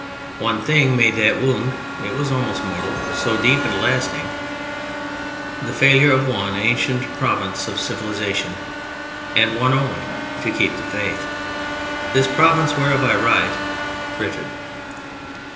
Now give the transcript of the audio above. One thing made that wound (it was almost mortal) so deep and lasting: the failure of one ancient province of civilization, and one only, to keep the Faith: this province whereof I write: Britain.